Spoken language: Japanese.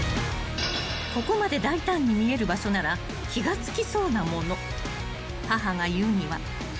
［ここまで大胆に見える場所なら気が付きそうなもの］